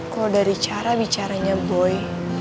kalau dari cara bicaranya boy